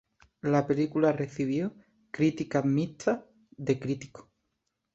La película recibió críticas mixtas de críticos.